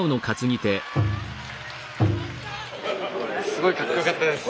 すごいかっこ良かったです。